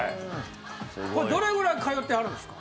これどれぐらい通ってはるんですか？